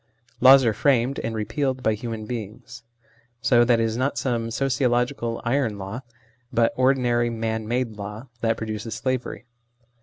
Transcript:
Laws are framed, and repealed, by human beings. So that it is not some sociological "iron" law, but ordinary man made law, that produces slavery.